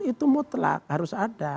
itu mutlak harus ada